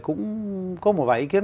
cũng có một vài ý kiến